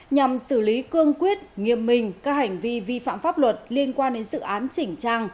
nhằm xử lý cương quyết nghiêm minh các hành vi vi phạm pháp luật liên quan đến dự án chỉnh trang